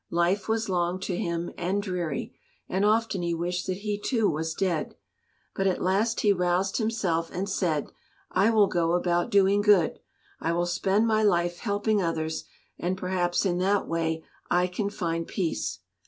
Life was long to him and dreary, and often he wished that he too was dead. But at last he roused himself and said, "I will go about doing good. I will spend my life helping others, and perhaps in that way I can find peace."